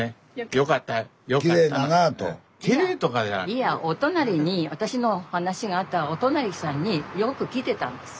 いやお隣に私の話があったお隣さんによく来てたんです。